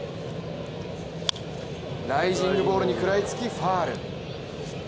ライジングボールに食らいつきファウル。